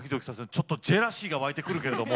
ちょっとジェラシーが湧いてくるけれども。